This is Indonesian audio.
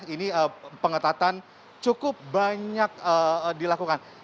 ini pengetatan cukup banyak dilakukan